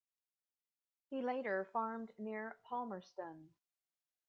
He later farmed near Palmerston.